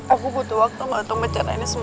aku butuh waktu untuk mencerah ini semua